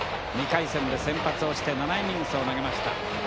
２回戦で先発をして７イニングを投げました。